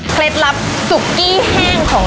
เคล็ดลับซุกกี้แห้งของ